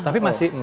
tapi masih maaf